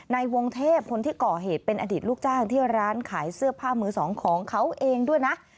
ในวงเทพคนที่ก่อเหตุเป็นอดีตลูกจ้างที่ร้านขายเสื้อผ้ามือสองของเขาเองด้วยนะ